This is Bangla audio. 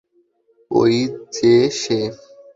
ঐ যে সে।